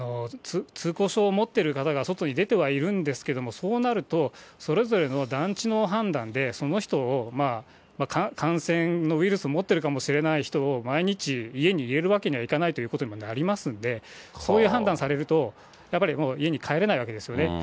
通行証を持っている方が外に出てはいるんですけれども、そうなると、それぞれの団地の判断で、その人を感染のウイルス持っているかもしれない人を、毎日家に入れるわけにはいかないということになりますので、そういう判断されると、やっぱり家に帰れないわけですよね。